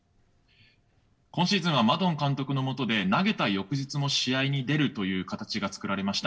今シーズンはマドン監督のもとで投げた翌日も試合に出るという形が作られました。